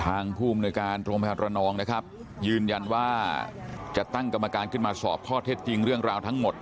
ทางภูมิในการโรแมรนองนะครับยืนยันว่าจะตั้งกรรมการขึ้นมาสอบข้อเท็จจริงเรื่องราวทั้งหมด